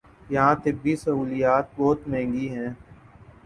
یہاں طبی سہولیات بہت مہنگی ہیں